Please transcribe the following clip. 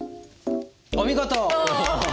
お見事！